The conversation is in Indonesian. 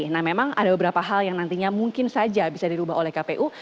nah memang ada beberapa hal yang nantinya mungkin saja bisa dirubah oleh kpu